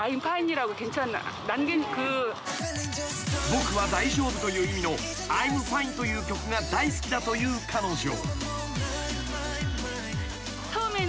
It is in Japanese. ［「僕は大丈夫」という意味の『Ｉ’ｍＦｉｎｅ』という曲が大好きだという彼女］